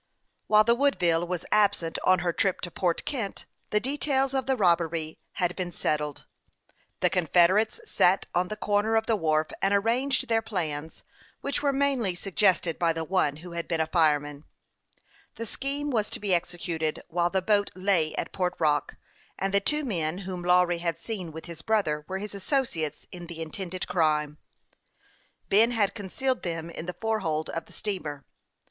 While the Woodville was absent on her trip to Port Kent, the details of the robbery had been set tled. The confederates sat on the corner of the wharf and arranged their plans, which were mainly suggested by the one who had been a fireman. The scheme was to be executed while the boat lay at Port THE YOUNG PILOT OF LAKE CHAMPLAIX. 281 Rock, and the two men Avhom Lawry had seen with his brother were his associates in the intended crime. Ben had concealed them in the fore hold of the steamer.